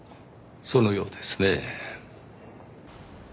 そのようですねぇ。